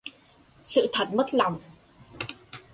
Sự thật mất lòng